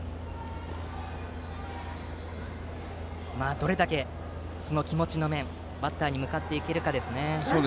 どれだけ、その気持ちの面バッターに向かっていけるかですね。